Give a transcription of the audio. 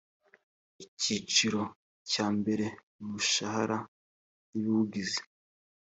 icyiciro cya mbere umushahara n ibiwugize